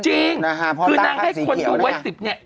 จริงคือนางให้คนดูไว้๑๐เนี่ย